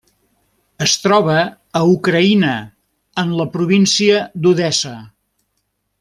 Es troba a Ucraïna, en la província d'Odessa.